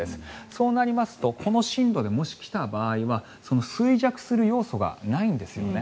そうなりますとこの進路で、もし来た場合は衰弱する要素がないんですよね。